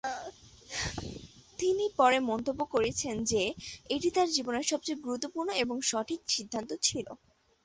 তিনি পরে মন্তব্য করেছিলেন যে, এটি তাঁর জীবনের সবচেয়ে গুরুত্বপূর্ণ এবং সঠিক সিদ্ধান্ত ছিল।